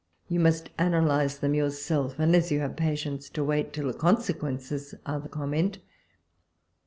You must analyse them yourself, un less you have patience to wait till the conse quences are the comment.